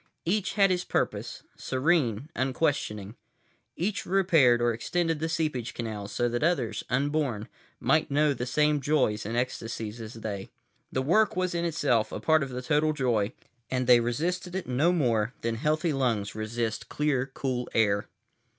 Each had his purpose, serene, unquestioning. Each repaired or extended the seepage canals so that others, unborn, might know the same joys and ecstasies as they. The work was in itself a part of the total joy, and they resisted it no more than healthy lungs resist clear, cool air.